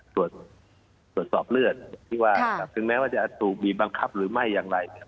ตรวจสอบเลือดคือว่าครับซึ่งแม้ว่าจะถูกบีบังคับหรือไม่อย่างไรเนี้ย